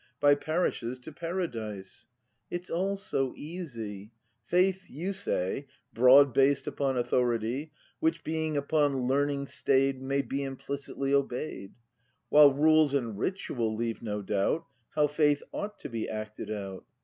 By parishes to Paradise. It's all so easy! — Faith, you say. Broad based upon authority; Which, being upon learning stay'd, May be implicitly obey'd : While rules and ritual leave no doubt How faith ought to be acted out.